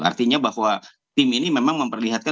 artinya bahwa tim ini memang memperlihatkan